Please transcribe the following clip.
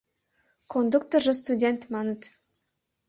Кондукторжо — «студент», маныт.